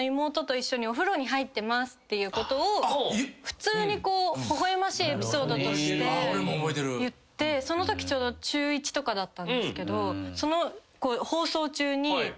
っていうことを普通にほほ笑ましいエピソードとして言ってそのときちょうど中１とかだったんですけど。